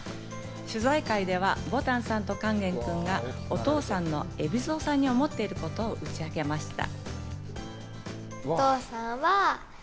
取材会ではぼたんさんと勸玄くんがお父さんの海老蔵さんに思っていることを打ち明けました。